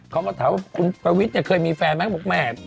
เขามาถามว่าคุณประวิทย์เนี่ยเคยมีแฟนไหมบอกแม่